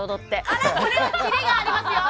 あらこれはキレがありますよ。